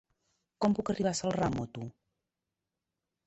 Com puc arribar a Celrà amb moto?